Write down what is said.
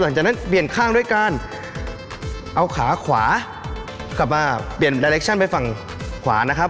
หลังจากนั้นเปลี่ยนข้างด้วยการเอาขาขวากลับมาเปลี่ยนดาเล็กชั่นไปฝั่งขวานะครับ